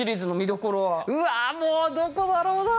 うわもうどこだろうな。